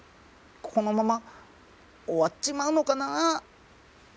このまま終わっちまうのかなあ？